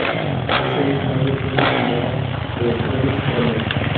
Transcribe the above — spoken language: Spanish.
Ese mismo año fue nominada a los Premios Cóndor.